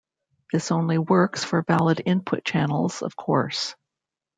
This only works for valid input channels, of course.